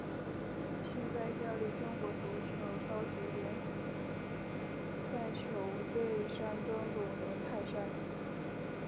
现在效力中国足球超级联赛球队山东鲁能泰山。